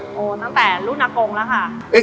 โอ้ตั้งแต่รุ่นอากงแล้วค่ะ